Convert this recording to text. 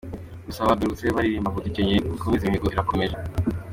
Gusa bagarutse baririmba ngo “Dukenyere dukomeze imihigo irakomeye.